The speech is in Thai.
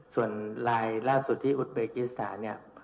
ส่วนลายล่าสุดที่อุทเบกิสถานเนี่ย